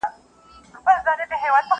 ته سینې څیره له پاسه د مرغانو!!